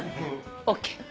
ＯＫ。